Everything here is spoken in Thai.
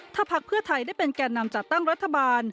ถ้าพักเพื่อไทยได้เป็นแก่นำจัดตั้งรัฐบาล